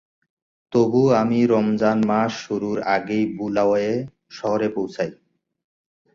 তবুও আমি রমজান মাস শুরুর আগেই বুলাওয়ে শহরে পৌঁছাই।